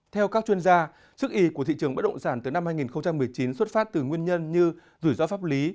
theo các chuyên gia sức y của thị trường bất động sản từ năm hai nghìn một mươi chín xuất phát từ nguyên nhân như rủi ro pháp lý